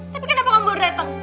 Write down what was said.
tapi kenapa kamu baru datang